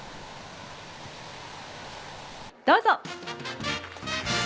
・どうぞ・